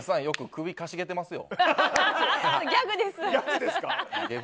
首かしげてますよ。